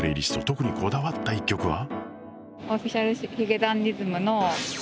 特にこだわった１曲は？